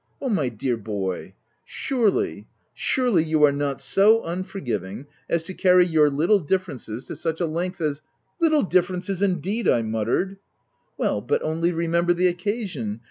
" O my dear boy j Surely, surely, you are not so unforgiving as to carry your little dif ferences to such a length as —" u Little differences, indeed \" I muttered. "Well, but only remember the occasion!